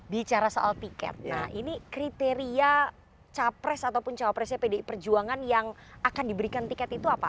bicara soal tiket nah ini kriteria capres ataupun cawapresnya pdi perjuangan yang akan diberikan tiket itu apa